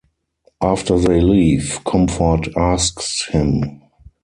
After they leave, Comfort asks him.